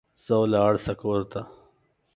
ځه ولاړ سه کور ته